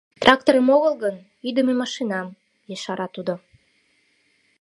— Тракторым огыл гын, ӱдымӧ машинам, — ешара тудо.